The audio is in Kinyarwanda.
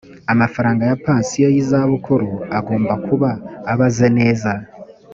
amafaranga ya pansiyo y’izabukuru agomba kuba abaze neza